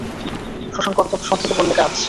শশাঙ্ক অত্যন্ত সংক্ষেপে বললে, কাজ।